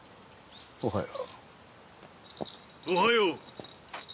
おはよう。